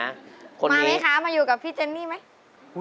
มาไหมคะมาอยู่กับพี่เจนนี่ไหม